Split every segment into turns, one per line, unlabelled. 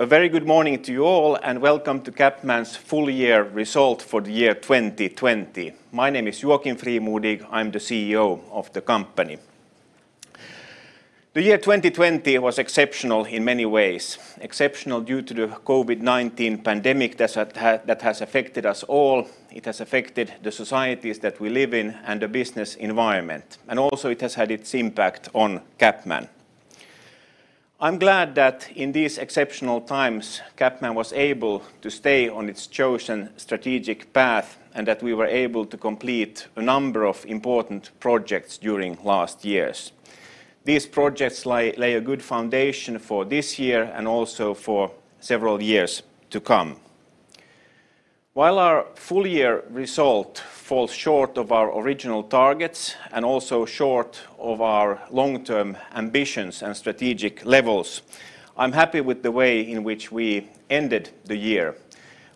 A very good morning to you all, and welcome to CapMan's Full Year Result for The Year 2020. My name is Joakim Frimodig. I'm the CEO of the company. The year 2020 was exceptional in many ways. Exceptional due to the COVID-19 pandemic that has affected us all. It has affected the societies that we live in and the business environment. Also, it has had its impact on CapMan. I'm glad that in these exceptional times, CapMan was able to stay on its chosen strategic path and that we were able to complete a number of important projects during the last year. These projects lay a good foundation for this year and also for several years to come. While our full year result falls short of our original targets and also short of our long-term ambitions and strategic levels, I'm happy with the way in which we ended the year.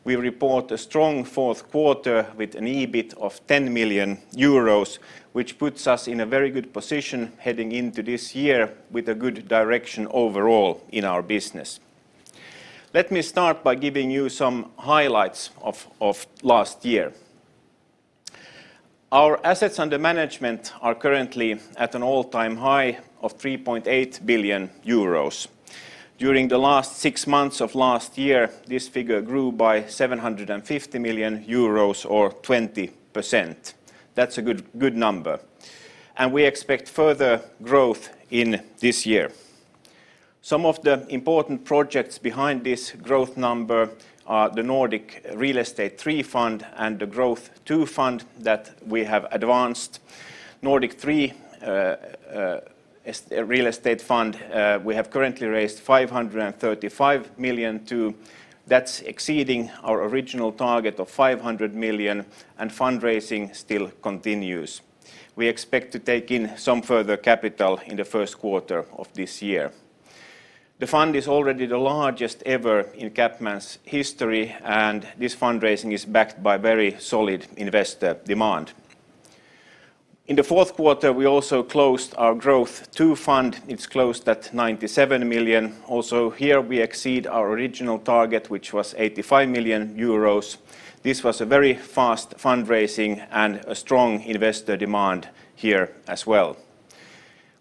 We report a strong fourth quarter with an EBIT of 10 million euros, which puts us in a very good position heading into this year with a good direction overall in our business. Let me start by giving you some highlights of last year. Our assets under management are currently at an all-time high of 3.8 billion euros. During the last six months of last year, this figure grew by 750 million euros, or 20%. That's a good number. We expect further growth in this year. Some of the important projects behind this growth number are the Nordic Real Estate III Fund and the Growth II Fund that we have advanced. Nordic III Real Estate Fund, we have currently raised 535 million. That's exceeding our original target of 500 million, and fundraising still continues. We expect to take in some further capital in the first quarter of this year. The fund is already the largest ever in CapMan's history, and this fundraising is backed by very solid investor demand. In the fourth quarter, we also closed our Growth II Fund. It's closed at 97 million. Also here we exceed our original target, which was 85 million euros. This was a very fast fundraising and a strong investor demand here as well.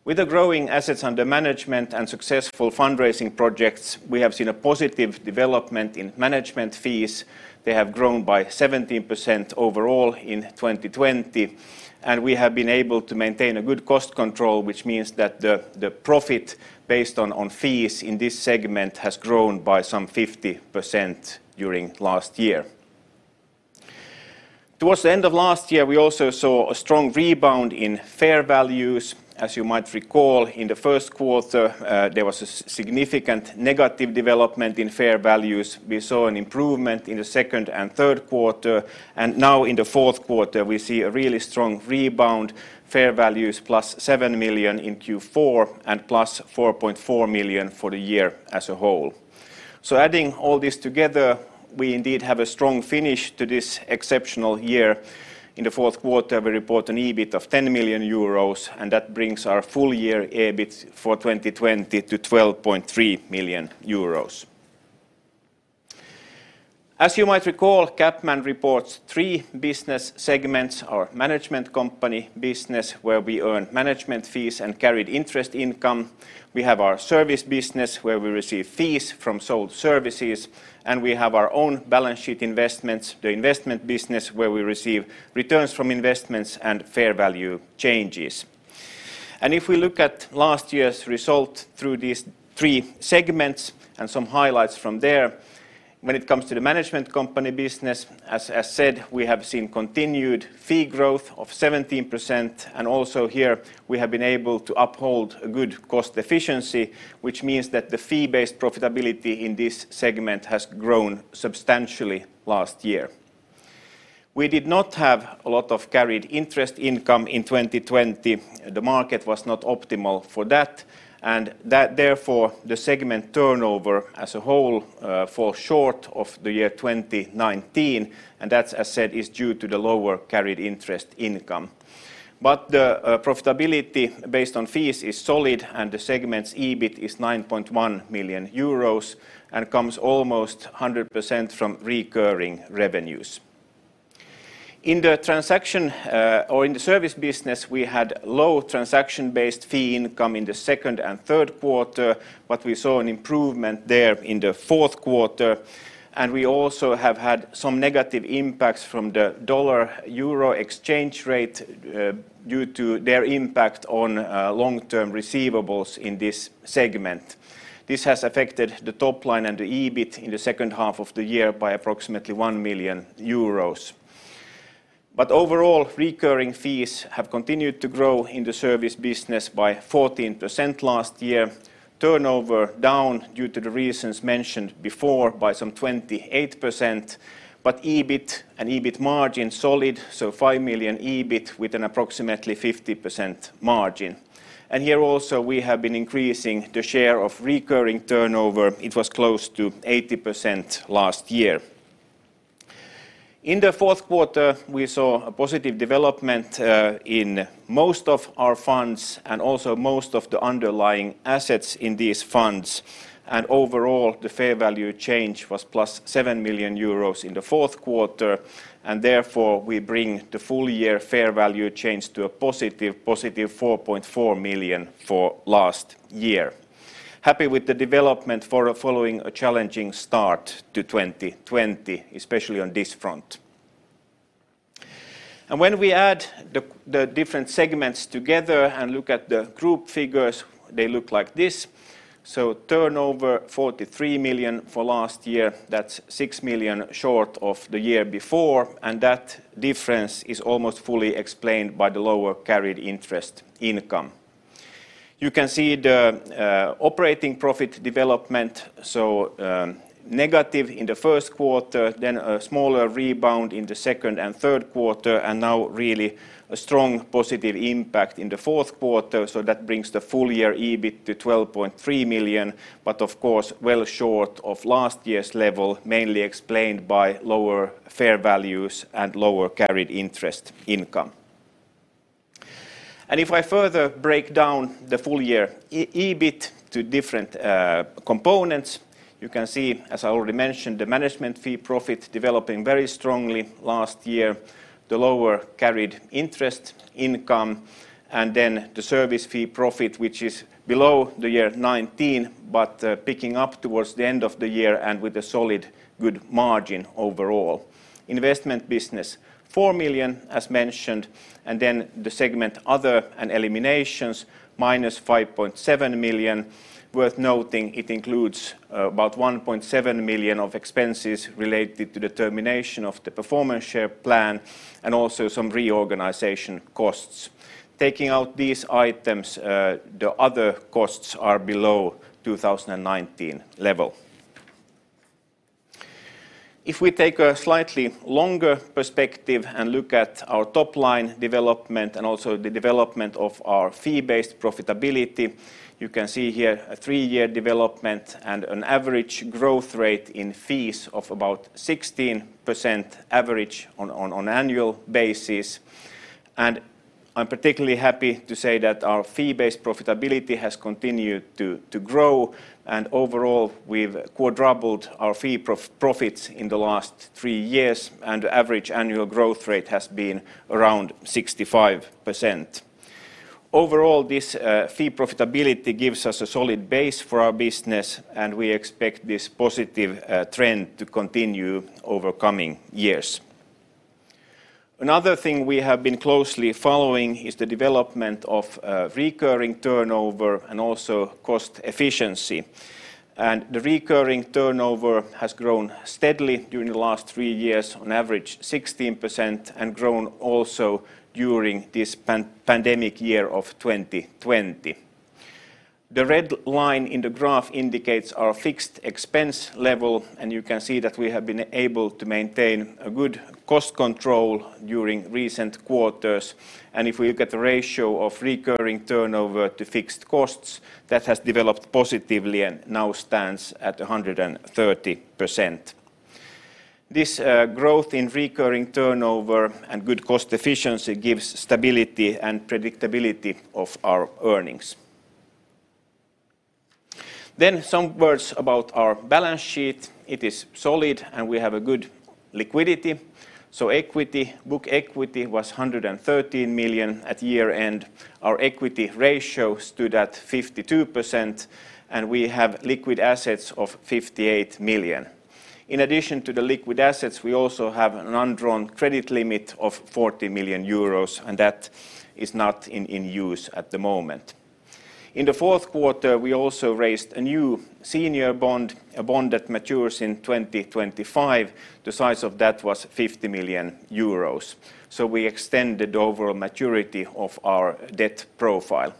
With the growing assets under management and successful fundraising projects, we have seen a positive development in management fees. They have grown by 17% overall in 2020, and we have been able to maintain good cost control, which means that the profit based on fees in this segment has grown by some 50% during the last year. Towards the end of last year, we also saw a strong rebound in fair values. As you might recall, in the first quarter, there was a significant negative development in fair values. We saw an improvement in the second and third quarters. Now in the fourth quarter, we see a really strong rebound, fair values of +7 million in Q4 and +4.4 million for the year as a whole. Adding all this together, we indeed have a strong finish to this exceptional year. In the fourth quarter, we report an EBIT of 10 million euros, and that brings our full-year EBIT for 2020 to 12.3 million euros. As you might recall, CapMan reports three business segments: our management company business, where we earn management fees and carried interest income, our service business, where we receive fees from sold services and our own balance sheet investments, the investment business, where we receive returns from investments and fair value changes. If we look at last year's result through these three segments and some highlights from there, when it comes to the management company business, as said, we have seen continued fee growth of 17%, and also here we have been able to uphold a good cost efficiency, which means that the fee-based profitability in this segment has grown substantially last year. We did not have a lot of carried interest income in 2020. The market was not optimal for that, and therefore the segment turnover as a whole fell short of the year 2019, and that, as said, is due to the lower carried interest income. The profitability based on fees is solid, and the segment's EBIT is 9.1 million euros and comes almost 100% from recurring revenues. In the transaction, or in the service business, we had low transaction-based fee income in the second and third quarter, but we saw an improvement there in the fourth quarter. We also have had some negative impacts from the dollar-euro exchange rate due to their impact on long-term receivables in this segment. This has affected the top line and the EBIT in the second half of the year by approximately 1 million euros. Overall, recurring fees have continued to grow in the service business by 14% last year. Turnover down due to the reasons mentioned before by some 28%, but EBIT and EBIT margin solid, so 5 million EBIT with an approximately 50% margin. Here also, we have been increasing the share of recurring turnover. It was close to 80% last year. In the fourth quarter, we saw a positive development in most of our funds and also most of the underlying assets in these funds. Overall, the fair value change was +7 million euros in the fourth quarter, and therefore, we bring the full-year fair value change to a positive 4.4 million for last year. Happy with the development following a challenging start to 2020, especially on this front. When we add the different segments together and look at the group figures, they look like this. Turnover 43 million for last year. That's 6 million short of the year before, and that difference is almost fully explained by the lower carried interest income. You can see the operating profit development. Negative in the first quarter, then a smaller rebound in the second and third quarters, and now really a strong positive impact in the fourth quarter. That brings the full-year EBIT to 12.3 million but, of course, well short of last year's level, mainly explained by lower fair values and lower carried interest income. If I further break down the full-year EBIT to different components, you can see, as I already mentioned, the management fee profit developing very strongly last year, the lower carried interest income, and then the service fee profit, which is below the year 2019, but picking up towards the end of the year and with a solid, good margin overall. Investment business, 4 million as mentioned, and then the segment other and eliminations, -5.7 million. Worth noting, it includes about 1.7 million of expenses related to the termination of the performance share plan and also some reorganization costs. Taking out these items, the other costs are below 2019 level. If we take a slightly longer perspective and look at our top-line development and also the development of our fee-based profitability, you can see here a three-year development and an average growth rate in fees of about 16% average on annual basis. I'm particularly happy to say that our fee-based profitability has continued to grow, and overall, we've quadrupled our fee profits in the last three years, and average annual growth rate has been around 65%. Overall, this fee profitability gives us a solid base for our business, and we expect this positive trend to continue over coming years. Another thing we have been closely following is the development of recurring turnover and also cost efficiency. The recurring turnover has grown steadily during the last three years, on average 16%, and grown also during this pandemic year of 2020. The red line in the graph indicates our fixed expense level, and you can see that we have been able to maintain a good cost control during recent quarters. If we look at the ratio of recurring turnover to fixed costs, that has developed positively and now stands at 130%. This growth in recurring turnover and good cost efficiency gives stability and predictability of our earnings. Some words about our balance sheet. It is solid, and we have a good liquidity. Book equity was 113 million at year-end. Our equity ratio stood at 52%, and we have liquid assets of 58 million. In addition to the liquid assets, we also have an undrawn credit limit of 40 million euros, and that is not in use at the moment. In the fourth quarter, we also raised a new senior bond, a bond that matures in 2025. The size of that was 50 million euros. We extended the overall maturity of our debt profile.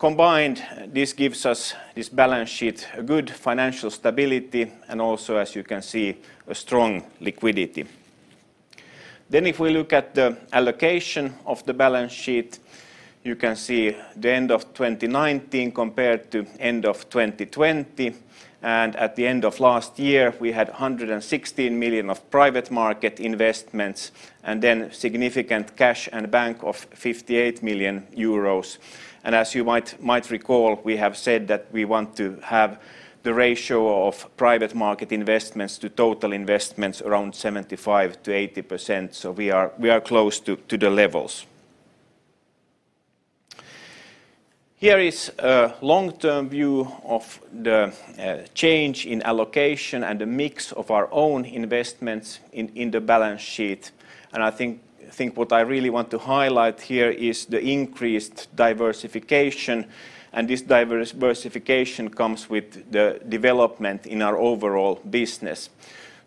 Combined, this gives us this balance sheet, a good financial stability, and also, as you can see, a strong liquidity. If we look at the allocation of the balance sheet, you can see the end of 2019 compared to end of 2020. At the end of last year, we had 116 million of private market investments and significant cash and bank of 58 million euros. As you might recall, we have said that we want to have the ratio of private market investments to total investments around 75%-80%, so we are close to the levels. Here is a long-term view of the change in allocation and the mix of our own investments in the balance sheet. I think what I really want to highlight here is the increased diversification, and this diversification comes with the development in our overall business.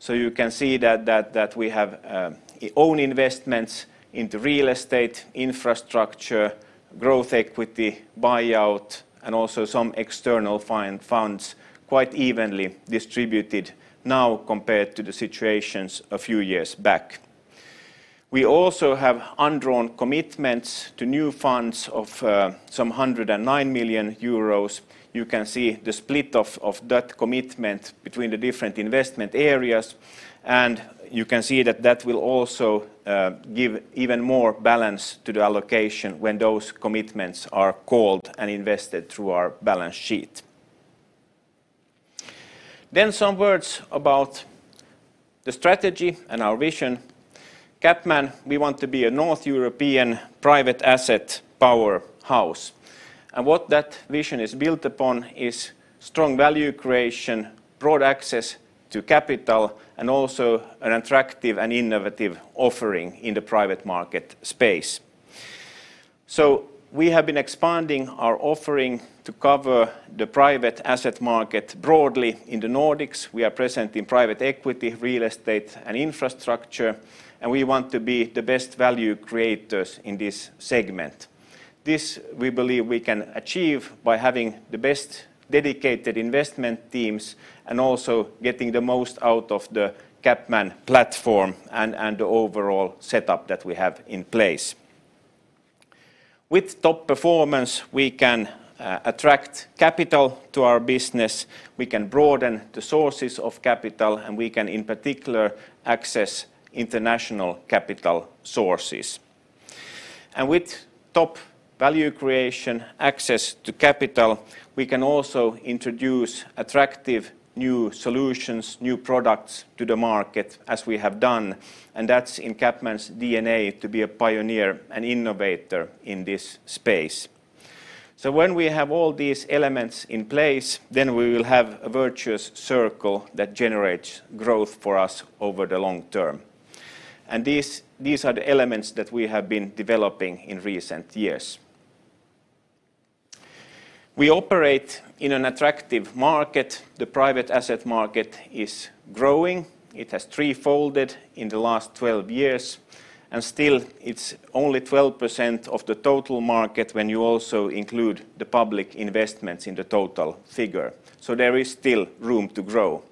You can see that we have own investments into real estate, infrastructure, growth equity, buyout, and also some external funds quite evenly distributed now compared to the situations a few years back. We also have undrawn commitments to new funds of some 109 million euros. You can see the split of that commitment between the different investment areas, and you can see that will also give even more balance to the allocation when those commitments are called and invested through our balance sheet. Some words about the strategy and our vision. CapMan, we want to be a North European private asset powerhouse. What that vision is built upon is strong value creation, broad access to capital, and also an attractive and innovative offering in the private market space. We have been expanding our offering to cover the private asset market broadly in the Nordics. We are present in private equity, real estate, and infrastructure, and we want to be the best value creators in this segment. This we believe we can achieve by having the best dedicated investment teams and also getting the most out of the CapMan platform and the overall setup that we have in place. With top performance, we can attract capital to our business, we can broaden the sources of capital, and we can, in particular, access international capital sources. With top value creation access to capital, we can also introduce attractive new solutions, new products to the market as we have done, and that's in CapMan's DNA to be a pioneer and innovator in this space. When we have all these elements in place, then we will have a virtuous circle that generates growth for us over the long term. These are the elements that we have been developing in recent years. We operate in an attractive market. The private asset market is growing. It has three-folded in the last 12 years, and still it's only 12% of the total market when you also include the public investments in the total figure. There is still room to grow.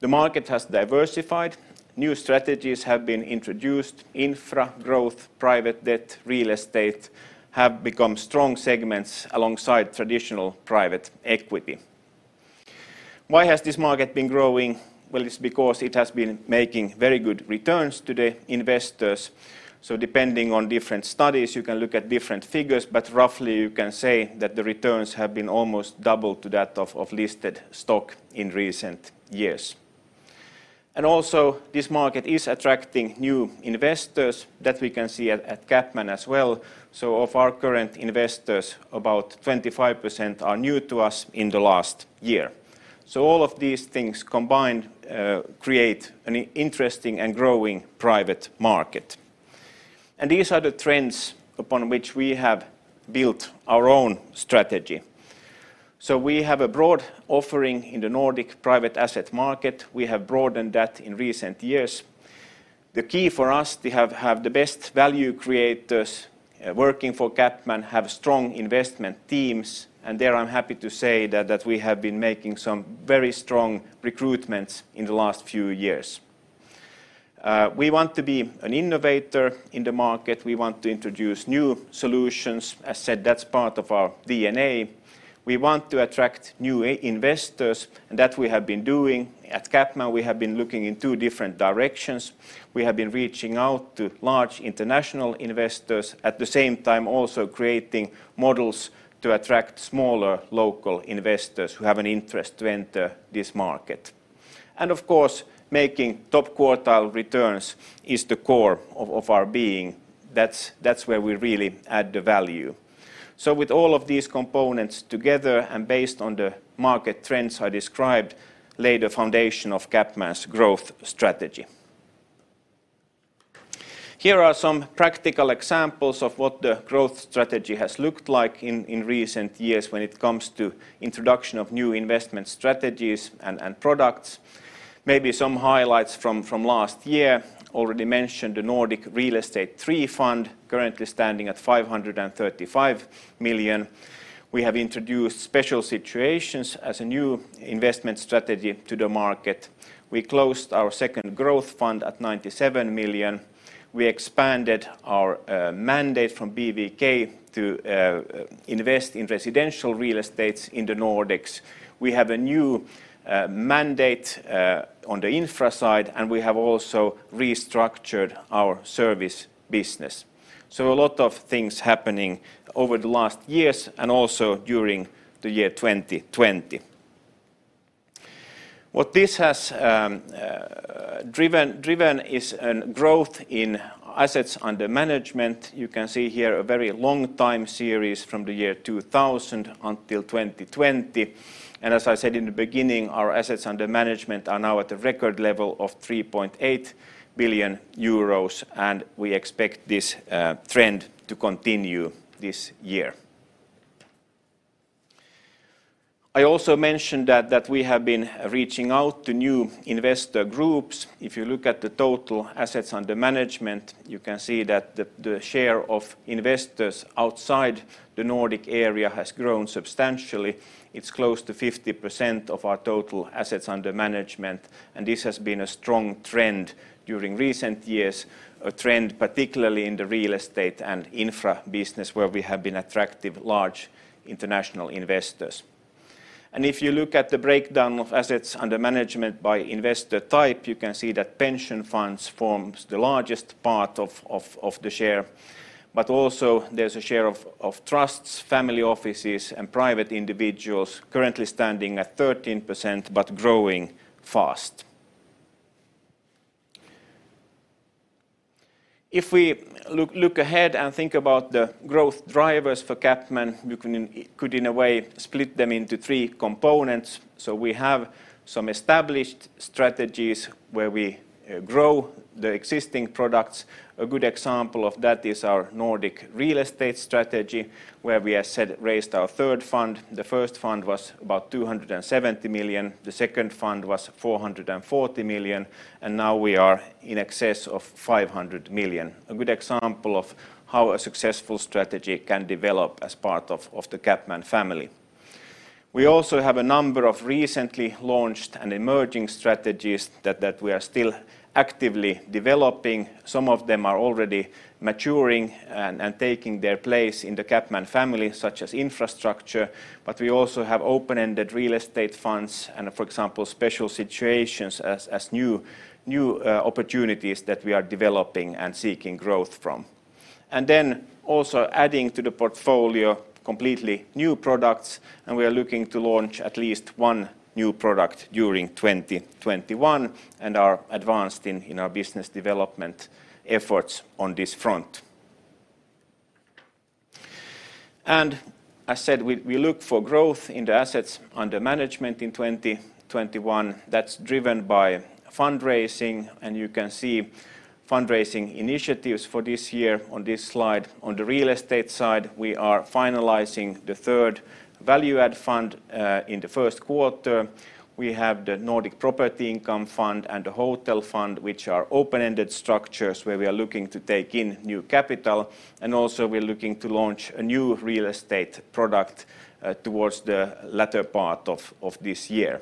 The market has diversified. New strategies have been introduced. Infra growth, private debt, real estate, have become strong segments alongside traditional private equity. Why has this market been growing? Well, it's because it has been making very good returns to the investors. Depending on different studies, you can look at different figures, but roughly you can say that the returns have been almost double to that of listed stock in recent years. Also, this market is attracting new investors that we can see at CapMan as well. Of our current investors, about 25% are new to us in the last year. All of these things combined create an interesting and growing private market. These are the trends upon which we have built our own strategy. We have a broad offering in the Nordic private asset market. We have broadened that in recent years. The key for us to have the best value creators working for CapMan, have strong investment teams, and there I'm happy to say that we have been making some very strong recruitments in the last few years. We want to be an innovator in the market. We want to introduce new solutions. As said, that's part of our DNA. We want to attract new investors, and that we have been doing. At CapMan, we have been looking in two different directions. We have been reaching out to large international investors and, at the same time, also creating models to attract smaller local investors who have an interest in entering this market. Of course, making top-quartile returns is the core of our being. That's where we really add the value. With all of these components together and based on the market trends I described lay the foundation of CapMan's growth strategy. Here are some practical examples of what the growth strategy has looked like in recent years when it comes to the introduction of new investment strategies and products. Maybe some highlights from last year. Already mentioned the Nordic Real Estate III fund currently standing at 535 million. We have introduced Special Situations as a new investment strategy to the market. We closed our Growth II Fund at 97 million. We expanded our mandate from BVK to invest in residential real estates in the Nordics. We have a new mandate on the infra side, and we have also restructured our service business. A lot of things happening over the last years and also during the year 2020. What this has driven is a growth in assets under management. You can see here a very long time series from the year 2000 until 2020. As I said in the beginning, our assets under management are now at a record level of 3.8 billion euros, and we expect this trend to continue this year. I also mentioned that we have been reaching out to new investor groups. If you look at the total assets under management, you can see that the share of investors outside the Nordic area has grown substantially. It's close to 50% of our total assets under management. This has been a strong trend during recent years, a trend particularly in the real estate and infra business where we have been attractive large international investors. If you look at the breakdown of assets under management by investor type, you can see that pension funds forms the largest part of the share. Also, there's a share of trusts, family offices, and private individuals currently standing at 13%, but growing fast. If we look ahead and think about the growth drivers for CapMan, we could in a way split them into three components. We have some established strategies where we grow the existing products. A good example of that is our Nordic real estate strategy, where we have raised our third fund. The first fund was about 270 million. The second fund was 440 million. Now we are in excess of 500 million. A good example of how a successful strategy can develop as part of the CapMan family. We also have a number of recently launched and emerging strategies that we are still actively developing. Some of them are already maturing and taking their place in the CapMan family, such as infrastructure. We also have open-ended real estate funds and, for example, Special Situations as new opportunities that we are developing and seeking growth from. Then also adding to the portfolio completely new products, and we are looking to launch at least one new product during 2021 and are advanced in our business development efforts on this front. I said we look for growth in the assets under management in 2021. That's driven by fundraising, you can see fundraising initiatives for this year on this slide. On the real estate side, we are finalizing the third value add fund in the first quarter. We have the Nordic Property Income Fund and the Hotel Fund, which are open-ended structures where we are looking to take in new capital. Also we're looking to launch a new real estate product towards the latter part of this year.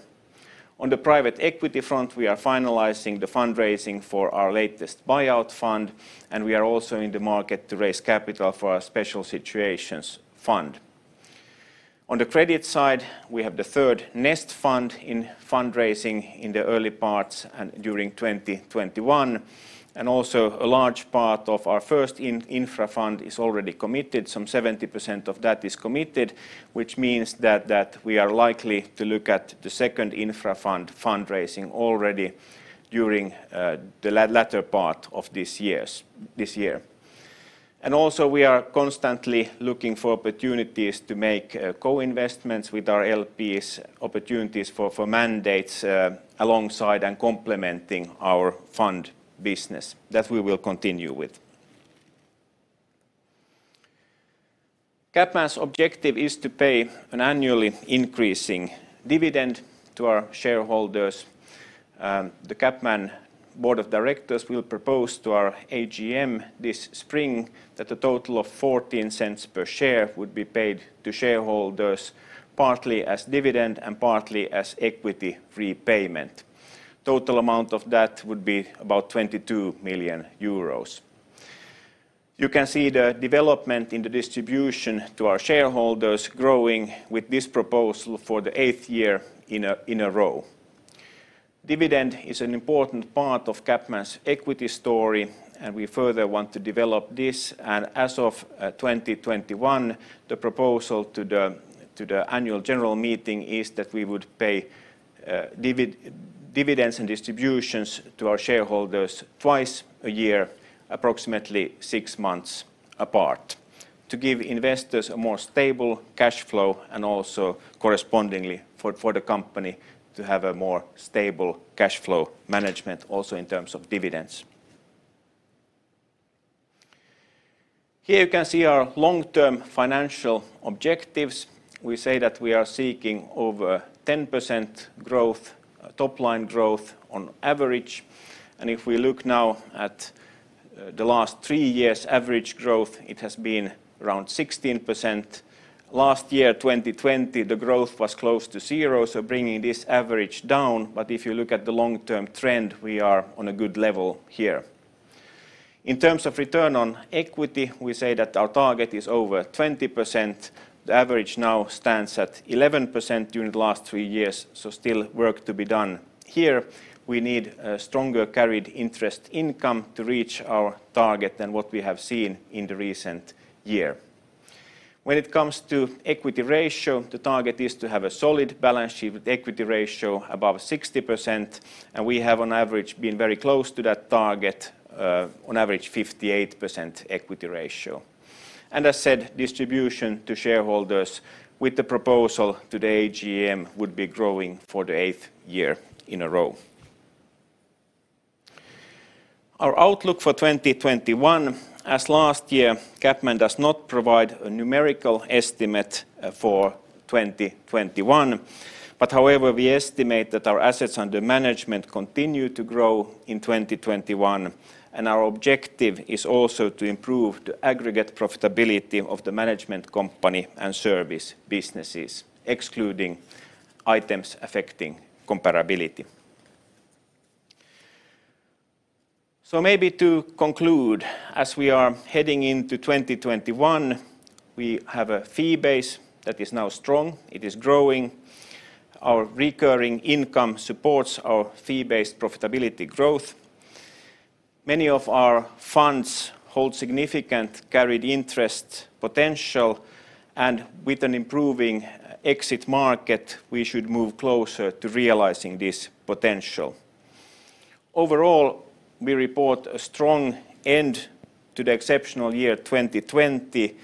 On the private equity front, we are finalizing the fundraising for our latest buyout fund, and we are also in the market to raise capital for our Special Situations fund. On the credit side, we have the third Nest Fund in fundraising in the early parts and during 2021. Also a large part of our first infra fund is already committed. Some 70% of that is committed, which means that we are likely to look at the second infra fund fundraising already during the latter part of this year. Also we are constantly looking for opportunities to make co-investments with our LPs, opportunities for mandates alongside and complementing our fund business. That we will continue with. CapMan's objective is to pay an annually increasing dividend to our shareholders. The CapMan board of directors will propose to our AGM this spring that a total of 0.14 per share would be paid to shareholders partly as dividend and partly as equity repayment. Total amount of that would be about 22 million euros. You can see the development in the distribution to our shareholders growing with this proposal for the eighth year in a row. Dividend is an important part of CapMan's equity story, and we further want to develop this. As of 2021, the proposal to the Annual General Meeting is that we would pay dividends and distributions to our shareholders twice a year, approximately six months apart to give investors a more stable cash flow and also, correspondingly, for the company to have a more stable cash flow management in terms of dividends. Here you can see our long-term financial objectives. We say that we are seeking over 10% top-line growth on average. If we look now at the last three years' average growth, it has been around 16%. Last year, 2020, the growth was close to zero, so bringing this average down. If you look at the long-term trend, we are on a good level here. In terms of return on equity, we say that our target is over 20%. The average now stands at 11% during the last three years, still work to be done here. We need a stronger carried interest income to reach our target than what we have seen in the recent year. When it comes to equity ratio, the target is to have a solid balance sheet with equity ratio above 60%, and we have on average been very close to that target, on average 58% equity ratio. As said, distribution to shareholders with the proposal to the AGM would be growing for the eighth year in a row. Our outlook for 2021, as last year, CapMan does not provide a numerical estimate for 2021. However, we estimate that our assets under management continue to grow in 2021, and our objective is also to improve the aggregate profitability of the management company and service businesses, excluding items affecting comparability. Maybe to conclude, as we are heading into 2021, we have a fee base that is now strong. It is growing. Our recurring income supports our fee-based profitability growth. Many of our funds hold significant carried interest potential, and with an improving exit market, we should move closer to realizing this potential. Overall, we report a strong end to the exceptional year 2020,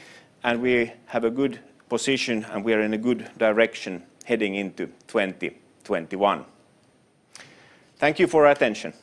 and we have a good position, and we are in a good direction heading into 2021. Thank you for your attention.